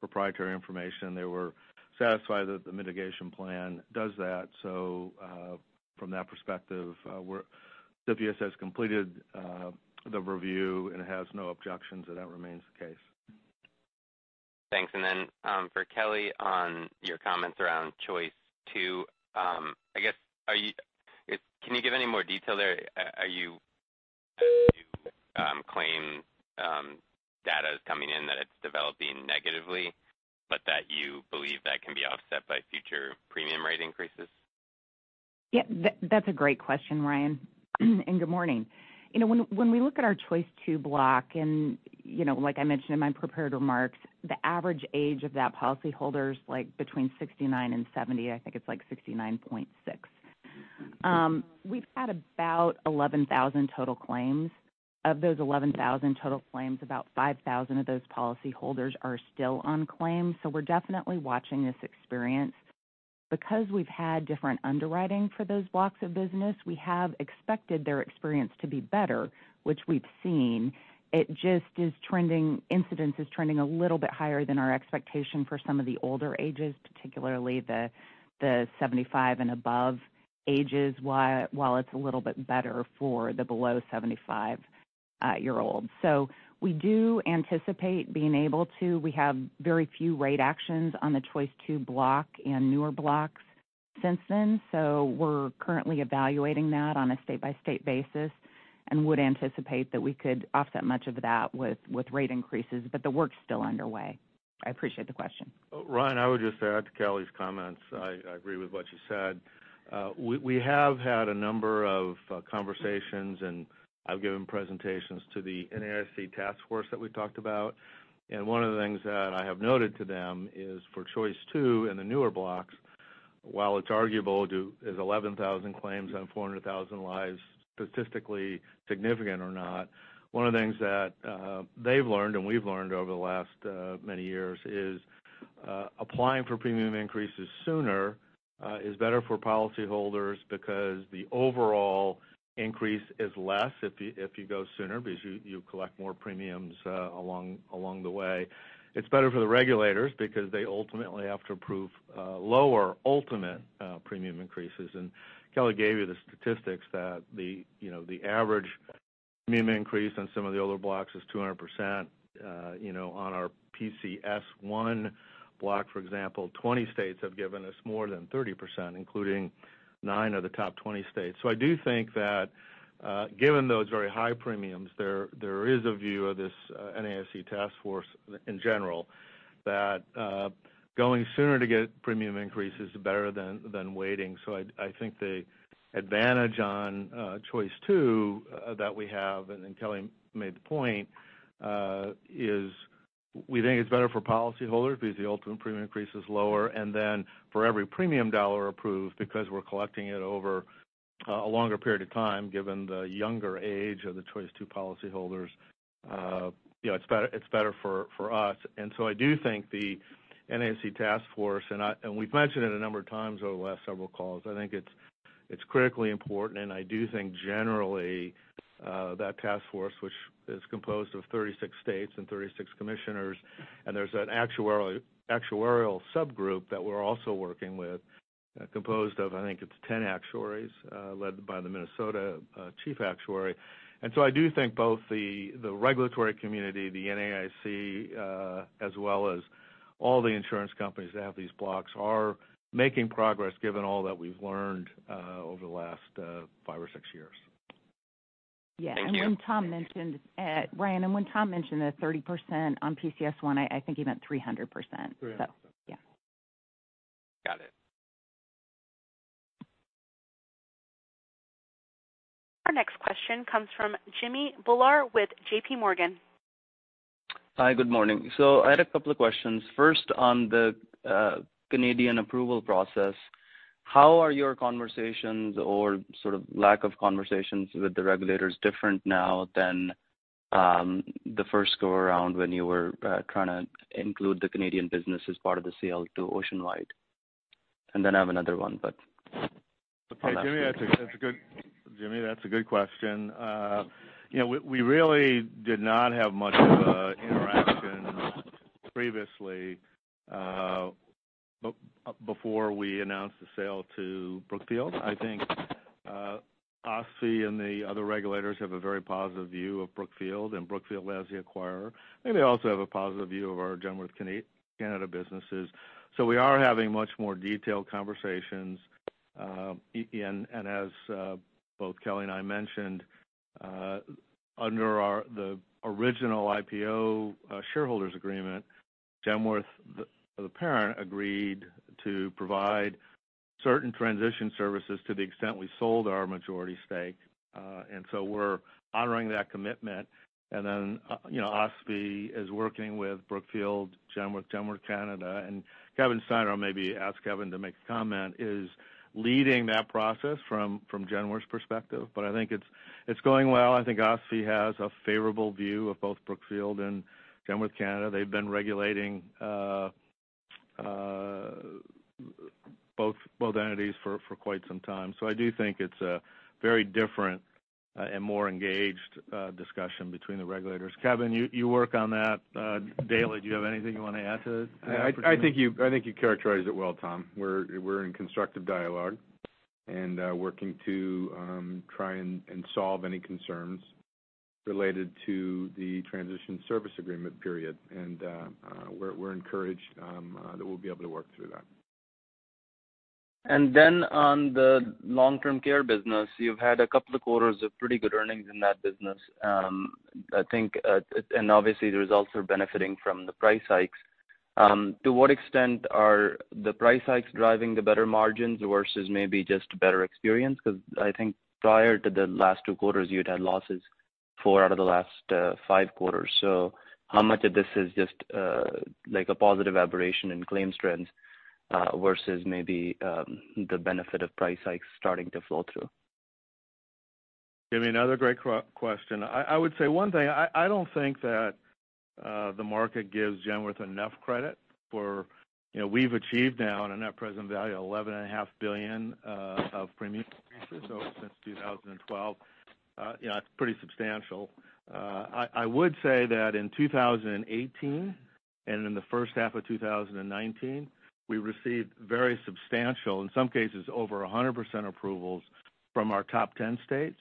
proprietary information. They were satisfied that the mitigation plan does that. From that perspective, CFIUS has completed the review and has no objections, and that remains the case. Thanks. For Kelly, on your comments around Choice 2, can you give any more detail there? Are your claim data is coming in that it's developing negatively, you believe that can be offset by future premium rate increases? Yeah, that's a great question, Ryan. Good morning. When we look at our Choice 2 block, and like I mentioned in my prepared remarks, the average age of that policyholder is between 69 and 70. I think it's 69.6. We've had about 11,000 total claims. Of those 11,000 total claims, about 5,000 of those policyholders are still on claim. We're definitely watching this experience. Because we've had different underwriting for those blocks of business, we have expected their experience to be better, which we've seen. It just is incidence is trending a little bit higher than our expectation for some of the older ages, particularly the 75 and above ages, while it's a little bit better for the below 75-year-olds. We do anticipate being able to. We have very few rate actions on the Choice 2 block and newer blocks since then. We're currently evaluating that on a state-by-state basis and would anticipate that we could offset much of that with rate increases. The work's still underway. I appreciate the question. Ryan, I would just add to Kelly's comments. I agree with what she said. We have had a number of conversations, and I've given presentations to the NAIC task force that we talked about. One of the things that I have noted to them is for Choice 2 in the newer blocks, while it's arguable, is 11,000 claims on 400,000 lives statistically significant or not? One of the things that they've learned and we've learned over the last many years is applying for premium increases sooner is better for policyholders because the overall increase is less if you go sooner because you collect more premiums along the way. It's better for the regulators because they ultimately have to approve lower ultimate premium increases. Kelly gave you the statistics that the average premium increase on some of the older blocks is 200% on our PCS I block, for example, 20 states have given us more than 300%, including nine of the top 20 states. I do think that given those very high premiums, there is a view of this NAIC Task Force in general that going sooner to get premium increase is better than waiting. I think the advantage on Choice 2 that we have, and Kelly made the point, is we think it's better for policyholders because the ultimate premium increase is lower, and then for every premium dollar approved, because we're collecting it over a longer period of time given the younger age of the Choice 2 policyholders, it's better for us. I do think the NAIC Task Force, and we've mentioned it a number of times over the last several calls, I think it's critically important, and I do think generally that Task Force, which is composed of 36 states and 36 commissioners, and there's an actuarial subgroup that we're also working with, composed of, I think it's 10 actuaries led by the Minnesota Chief Actuary. I do think both the regulatory community, the NAIC, as well as all the insurance companies that have these blocks are making progress given all that we've learned over the last five or six years. Yeah. Thank you. Ryan, when Tom mentioned the 30% on PCS I think he meant 300%. 300%. Yeah. Got it. Our next question comes from Jamminder Bhullar with JPMorgan. Hi, good morning. I had a couple of questions. First, on the Canadian approval process, how are your conversations or sort of lack of conversations with the regulators different now than the first go-around when you were trying to include the Canadian business as part of the sale to Oceanwide? I have another one. Jimmy, that's a good question. We really did not have much of a interaction previously before we announced the sale to Brookfield. I think OSFI and the other regulators have a very positive view of Brookfield, and Brookfield as the acquirer. I think they also have a positive view of our Genworth Canada businesses. We are having much more detailed conversations. As both Kelly and I mentioned, under the original IPO shareholders agreement, Genworth, the parent, agreed to provide certain transition services to the extent we sold our majority stake. We're honoring that commitment. OSFI is working with Brookfield, Genworth Canada, and Kevin Schneider, maybe ask Kevin to make a comment, is leading that process from Genworth's perspective. I think it's going well. I think OSFI has a favorable view of both Brookfield and Genworth Canada. They've been regulating both entities for quite some time. I do think it's a very different and more engaged discussion between the regulators. Kevin, you work on that daily. Do you have anything you want to add to that? I think you characterized it well, Tom. We're in constructive dialogue and working to try and solve any concerns. Related to the transition service agreement period. We're encouraged that we'll be able to work through that. On the long-term care business, you've had a couple of quarters of pretty good earnings in that business. I think, and obviously the results are benefiting from the price hikes. To what extent are the price hikes driving the better margins versus maybe just better experience? I think prior to the last two quarters, you'd had losses four out of the last five quarters. How much of this is just a positive aberration in claims trends, versus maybe the benefit of price hikes starting to flow through? Jimmy, another great question. I would say one thing. I don't think that the market gives Genworth enough credit for how we've achieved now a net present value of $11.5 billion of premium increases, so since 2012. It's pretty substantial. I would say that in 2018 and in the first half of 2019, we received very substantial, in some cases, over 100% approvals from our top 10 states.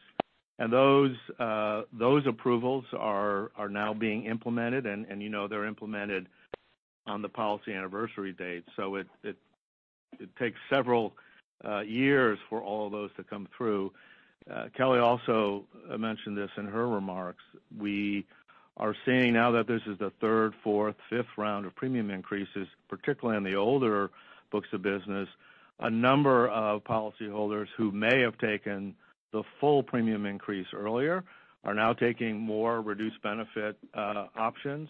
Those approvals are now being implemented, and they're implemented on the policy anniversary date. It takes several years for all of those to come through. Kelly also mentioned this in her remarks. We are seeing now that this is the third, fourth, fifth round of premium increases, particularly in the older books of business, a number of policyholders who may have taken the full premium increase earlier are now taking more reduced benefit options.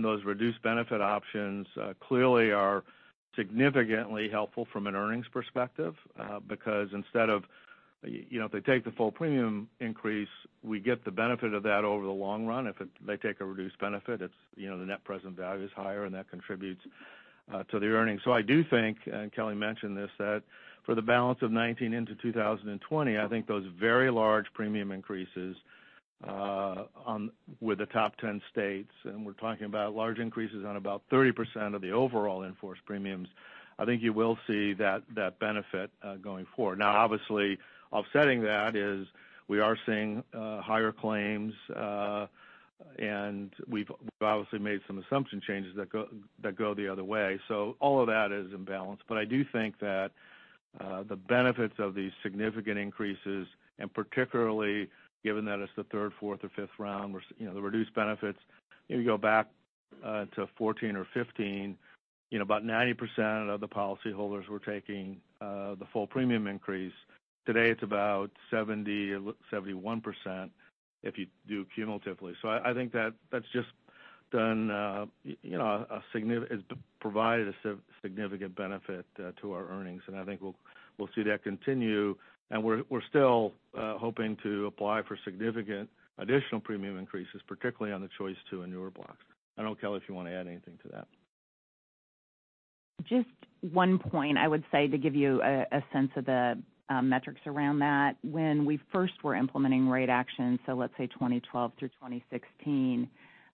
Those reduced benefit options clearly are significantly helpful from an earnings perspective because instead of if they take the full premium increase, we get the benefit of that over the long run. If they take a reduced benefit, the net present value is higher, and that contributes to the earnings. I do think, and Kelly mentioned this, that for the balance of 2019 into 2020, I think those very large premium increases with the top 10 states, and we're talking about large increases on about 30% of the overall in-force premiums, I think you will see that benefit going forward. Obviously offsetting that is we are seeing higher claims, and we've obviously made some assumption changes that go the other way. All of that is in balance. I do think that the benefits of these significant increases, and particularly given that it's the third, fourth, or fifth round, the reduced benefits, if you go back to 2014 or 2015, about 90% of the policyholders were taking the full premium increase. Today it's about 70%, 71% if you do cumulatively. I think that's just provided a significant benefit to our earnings, and I think we'll see that continue. We're still hoping to apply for significant additional premium increases, particularly on the Choice 2 and newer blocks. I don't know, Kelly, if you want to add anything to that. Just one point I would say to give you a sense of the metrics around that. When we first were implementing rate actions, let's say 2012 through 2016,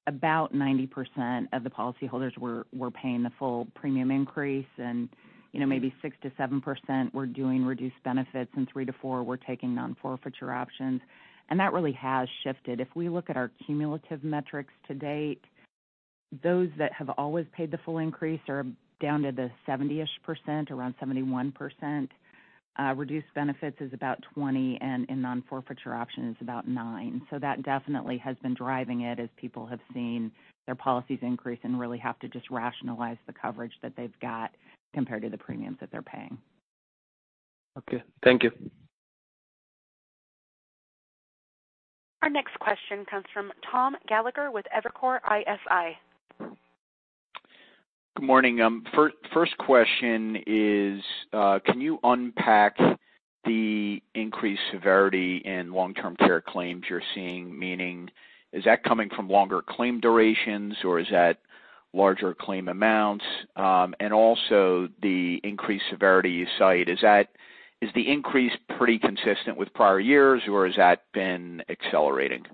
about 90% of the policyholders were paying the full premium increase, and maybe 6%-7% were doing reduced benefits, and 3%-4% were taking nonforfeiture options. That really has shifted. If we look at our cumulative metrics to date, those that have always paid the full increase are down to the 70-ish%, around 71%. Reduced benefits is about 20%, and nonforfeiture option is about 9%. That definitely has been driving it as people have seen their policies increase and really have to just rationalize the coverage that they've got compared to the premiums that they're paying. Okay. Thank you. Our next question comes from Thomas Gallagher with Evercore ISI. Good morning. First question is, can you unpack the increased severity in long-term care claims you're seeing? Meaning, is that coming from longer claim durations, or is that larger claim amounts? Also the increased severity you cite, is the increase pretty consistent with prior years, or has that been accelerating?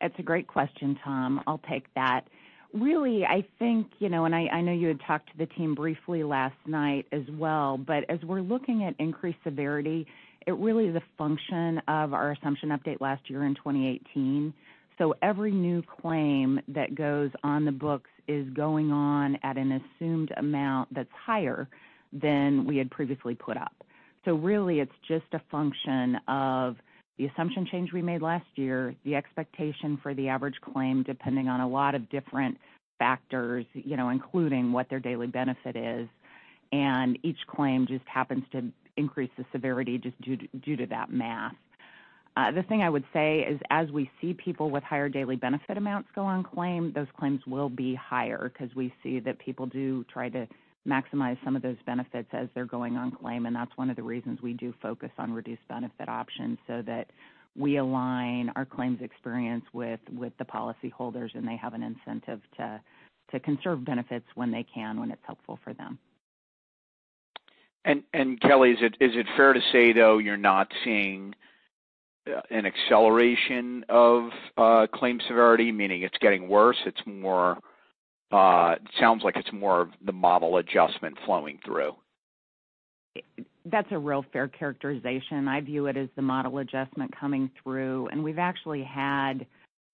That's a great question, Tom. I'll take that. Really, I think, and I know you had talked to the team briefly last night as well, but as we're looking at increased severity, it really is a function of our assumption update last year in 2018. Every new claim that goes on the books is going on at an assumed amount that's higher than we had previously put up. Really it's just a function of the assumption change we made last year, the expectation for the average claim depending on a lot of different factors, including what their daily benefit is. Each claim just happens to increase the severity just due to that math. The thing I would say is as we see people with higher daily benefit amounts go on claim, those claims will be higher because we see that people do try to maximize some of those benefits as they're going on claim, and that's one of the reasons we do focus on reduced benefit options so that we align our claims experience with the policyholders, and they have an incentive to conserve benefits when they can, when it's helpful for them. Kelly, is it fair to say, though, you're not seeing an acceleration of claim severity, meaning it's getting worse? It sounds like it's more of the model adjustment flowing through. That's a real fair characterization. I view it as the model adjustment coming through, and we've actually had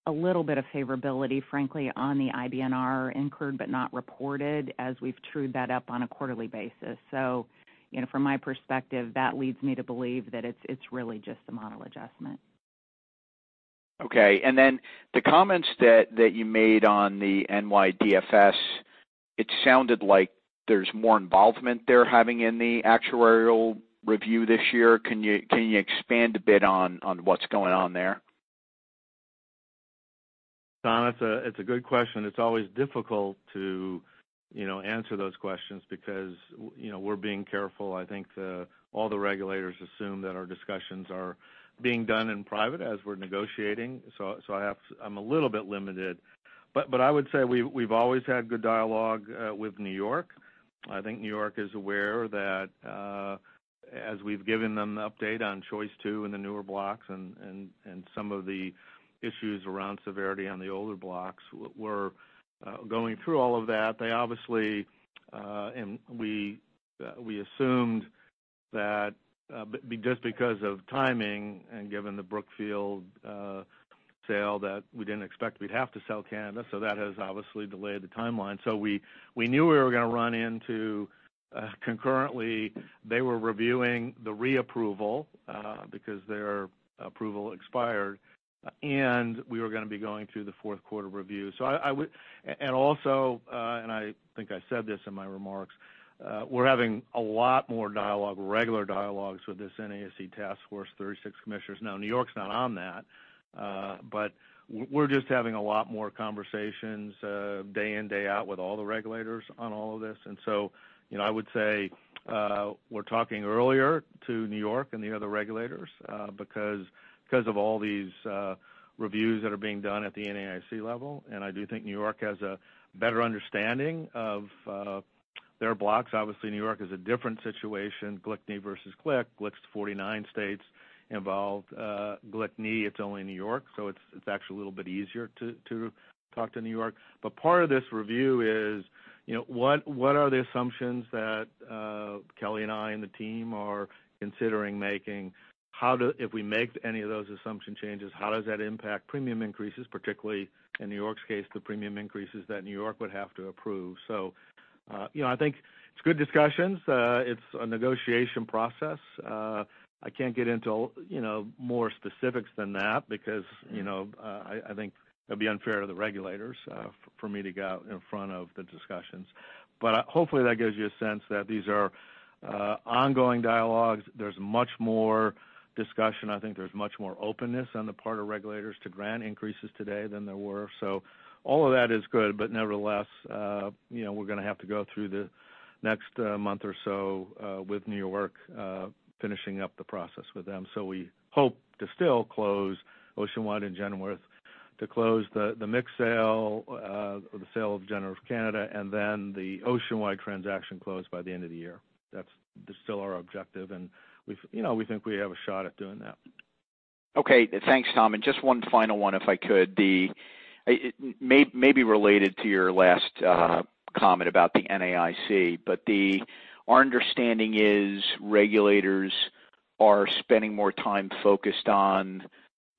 a little bit of favorability, frankly, on the IBNR incurred but not reported as we've trued that up on a quarterly basis. From my perspective, that leads me to believe that it's really just a model adjustment. Okay. The comments that you made on the NYDFS, it sounded like there's more involvement they're having in the actuarial review this year. Can you expand a bit on what's going on there? Tom, it's a good question. It's always difficult to answer those questions because we're being careful. I think all the regulators assume that our discussions are being done in private as we're negotiating. I'm a little bit limited. I would say we've always had good dialogue with New York. I think New York is aware that as we've given them the update on Choice 2 and the newer blocks and some of the issues around severity on the older blocks, we're going through all of that. We assumed that just because of timing and given the Brookfield sale, that we didn't expect we'd have to sell Canada. That has obviously delayed the timeline. We knew we were going to run into, concurrently, they were reviewing the reapproval because their approval expired, and we were going to be going through the fourth quarter review. I think I said this in my remarks, we're having a lot more dialogue, regular dialogues with this NAIC Task Force, 36 commissioners. New York's not on that. We're just having a lot more conversations day in, day out with all the regulators on all of this. I would say we're talking earlier to New York and the other regulators because of all these reviews that are being done at the NAIC level. I do think New York has a better understanding of their blocks. Obviously, New York is a different situation. GLICNY versus GLIC. GLIC's 49 states involved. GLICNY, it's only New York, so it's actually a little bit easier to talk to New York. Part of this review is, what are the assumptions that Kelly and I and the team are considering making? If we make any of those assumption changes, how does that impact premium increases, particularly in New York's case, the premium increases that New York would have to approve? I think it's good discussions. It's a negotiation process. I can't get into more specifics than that because I think it'd be unfair to the regulators for me to get out in front of the discussions. Hopefully that gives you a sense that these are ongoing dialogues. There's much more discussion. I think there's much more openness on the part of regulators to grant increases today than there were. All of that is good, but nevertheless, we're going to have to go through the next month or so with New York finishing up the process with them. We hope to still close Oceanwide and Genworth, to close the MIC's sale of Genworth Canada, and then the Oceanwide transaction close by the end of the year. That's still our objective, and we think we have a shot at doing that. Okay. Thanks, Tom. Just one final one, if I could. Maybe related to your last comment about the NAIC, our understanding is regulators are spending more time focused on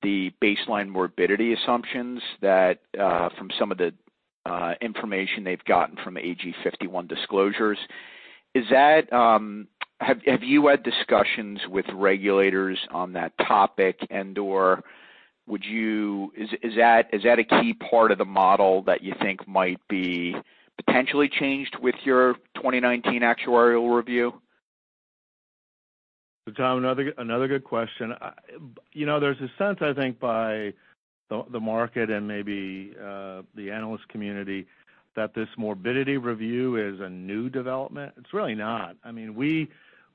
the baseline morbidity assumptions that from some of the information they've gotten from AG 51 disclosures. Have you had discussions with regulators on that topic, and/or is that a key part of the model that you think might be potentially changed with your 2019 actuarial review? Tom, another good question. There's a sense, I think, by the market and maybe the analyst community that this morbidity review is a new development. It's really not.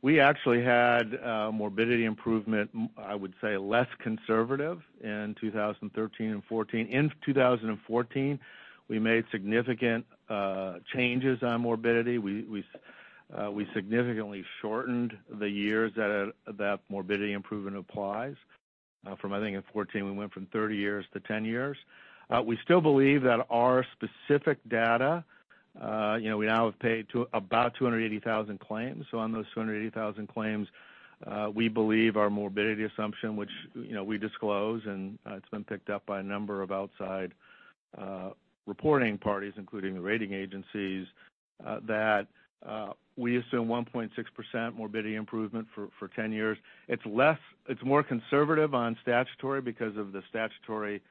We actually had morbidity improvement, I would say, less conservative in 2013 and 2014. In 2014, we made significant changes on morbidity. We significantly shortened the years that morbidity improvement applies. From I think in 2014 we went from 30 years to 10 years. We still believe that our specific data, we now have paid to about 280,000 claims. On those 280,000 claims, we believe our morbidity assumption, which we disclose and it's been picked up by a number of outside reporting parties, including the rating agencies, that we assume 1.6% morbidity improvement for 10 years. It's more conservative on statutory because of the statutory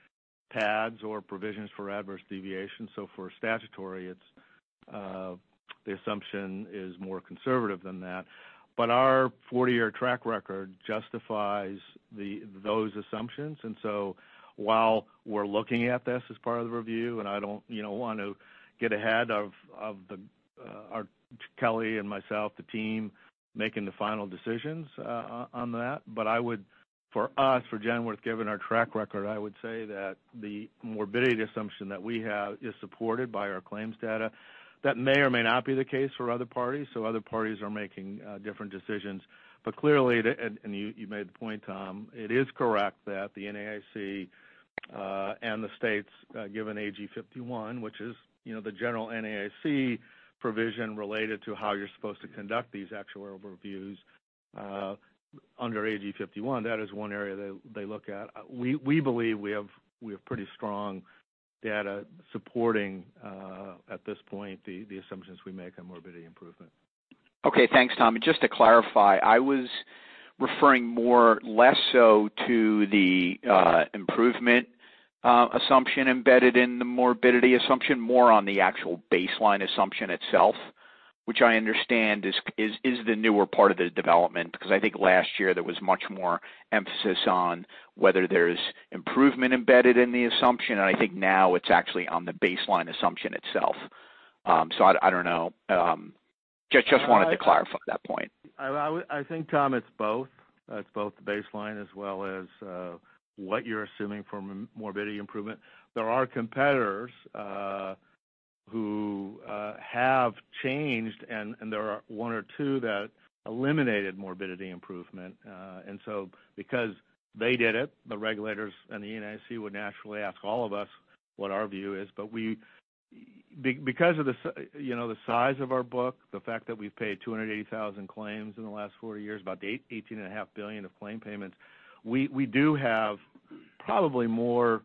PADs or Provisions for Adverse Deviation. For statutory, the assumption is more conservative than that. Our 40-year track record justifies those assumptions. While we're looking at this as part of the review, and I don't want to get ahead of Kelly and myself, the team making the final decisions on that. For us, for Genworth, given our track record, I would say that the morbidity assumption that we have is supported by our claims data. That may or may not be the case for other parties, so other parties are making different decisions. Clearly, and you made the point, Tom, it is correct that the NAIC and the states, given AG 51, which is the general NAIC provision related to how you're supposed to conduct these actuarial reviews. Under AG 51, that is one area that they look at. We believe we have pretty strong data supporting at this point the assumptions we make on morbidity improvement. Okay, thanks, Tom. Just to clarify, I was referring more or less so to the improvement assumption embedded in the morbidity assumption, more on the actual baseline assumption itself, which I understand is the newer part of the development. I think last year, there was much more emphasis on whether there's improvement embedded in the assumption, and I think now it's actually on the baseline assumption itself. I don't know. Just wanted to clarify that point. I think, Tom, it's both. It's both the baseline as well as what you're assuming for morbidity improvement. There are competitors who have changed, and there are one or two that eliminated morbidity improvement. Because they did it, the regulators and the NAIC would naturally ask all of us what our view is. Because of the size of our book, the fact that we've paid 280,000 claims in the last four years, about $18.5 billion of claim payments, we do have probably more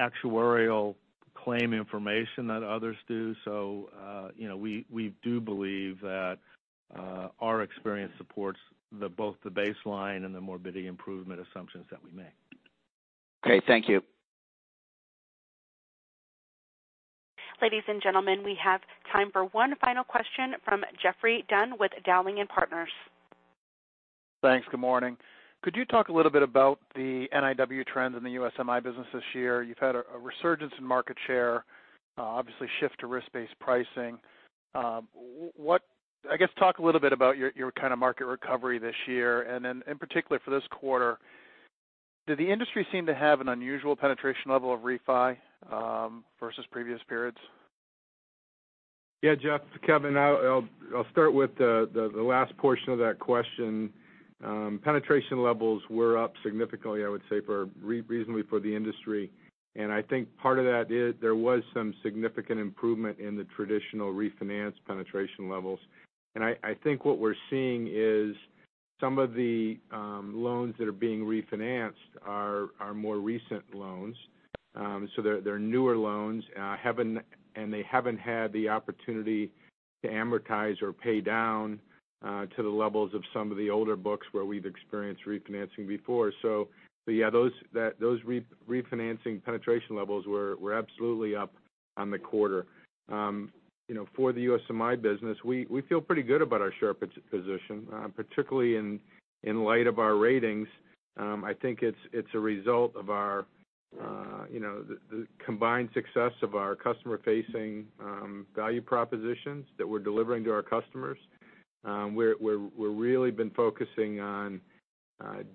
actuarial claim information than others do. We do believe that our experience supports both the baseline and the morbidity improvement assumptions that we make. Okay. Thank you. Ladies and gentlemen, we have time for one final question from Jeffrey Dunn with Dowling & Partners. Thanks. Good morning. Could you talk a little bit about the NIW trends in the USMI business this year? You've had a resurgence in market share, obviously shift to risk-based pricing. I guess, talk a little bit about your kind of market recovery this year, and then in particular for this quarter, did the industry seem to have an unusual penetration level of refi versus previous periods? Yeah. Jeff, it is Kevin. I will start with the last portion of that question. Penetration levels were up significantly, I would say reasonably for the industry. I think part of that is there was some significant improvement in the traditional refinance penetration levels. I think what we are seeing is some of the loans that are being refinanced are more recent loans. They are newer loans and they have not had the opportunity to amortize or pay down to the levels of some of the older books where we have experienced refinancing before. Yeah, those refinancing penetration levels were absolutely up on the quarter. For the USMI business, we feel pretty good about our share position, particularly in light of our ratings. I think it is a result of the combined success of our customer-facing value propositions that we are delivering to our customers. We're really been focusing on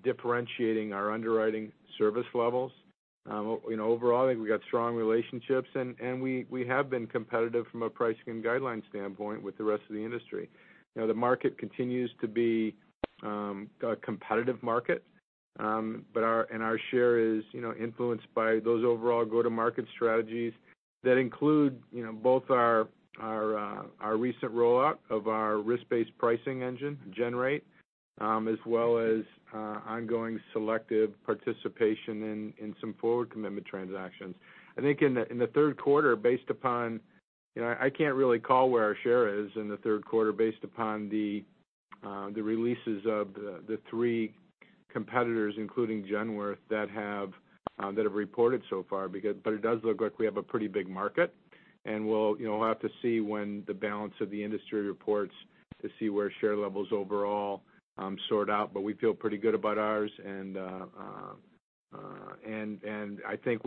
differentiating our underwriting service levels. Overall, I think we got strong relationships, and we have been competitive from a pricing guideline standpoint with the rest of the industry. The market continues to be a competitive market. Our share is influenced by those overall go-to-market strategies that include both our recent rollout of our risk-based pricing engine GenRate as well as ongoing selective participation in some forward commitment transactions. I think in the third quarter, I can't really call where our share is in the third quarter based upon the releases of the three competitors, including Genworth, that have reported so far. It does look like we have a pretty big market, and we'll have to see when the balance of the industry reports to see where share levels overall sort out. We feel pretty good about ours. I think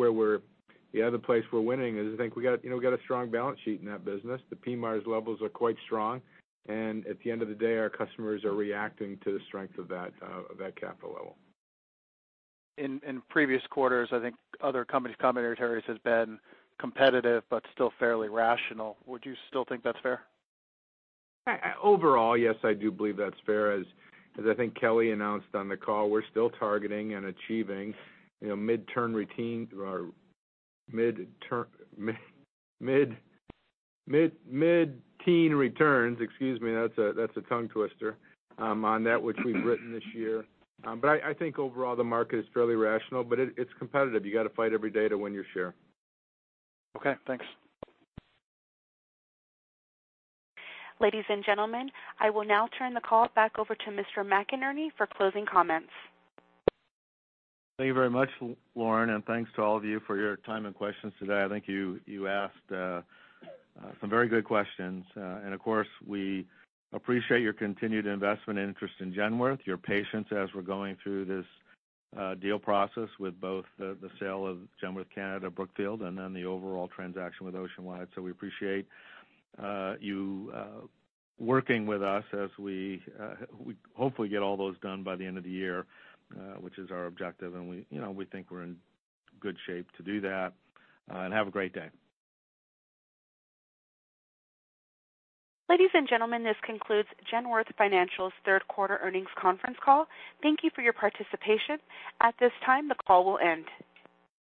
the other place we're winning is I think we got a strong balance sheet in that business. The PMI levels are quite strong, and at the end of the day, our customers are reacting to the strength of that capital level. In previous quarters, I think other commentators have been competitive but still fairly rational. Would you still think that's fair? Overall, yes, I do believe that's fair. As I think Kelly announced on the call, we're still targeting and achieving mid-teen returns, excuse me, that's a tongue twister, on that which we've written this year. I think overall the market is fairly rational, but it's competitive. You got to fight every day to win your share. Okay, thanks. Ladies and gentlemen, I will now turn the call back over to Thomas McInerney for closing comments. Thank you very much, Lauren. Thanks to all of you for your time and questions today. I think you asked some very good questions. Of course, we appreciate your continued investment and interest in Genworth, your patience as we're going through this deal process with both the sale of Genworth Canada, Brookfield, the overall transaction with Oceanwide. We appreciate you working with us as we hopefully get all those done by the end of the year, which is our objective. We think we're in good shape to do that. Have a great day. Ladies and gentlemen, this concludes Genworth Financial's third quarter earnings conference call. Thank you for your participation. At this time, the call will end.